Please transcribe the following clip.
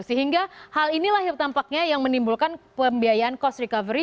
sehingga hal inilah yang tampaknya yang menimbulkan pembiayaan cost recovery